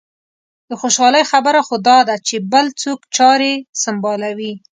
د خوشالۍ خبره خو دا ده چې بل څوک چارې سنبالوي.